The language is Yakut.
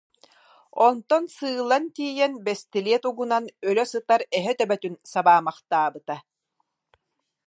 Онтон сыылан тиийэн бэстилиэт угунан өлө сытар эһэ төбөтүн сабаамахтаабыта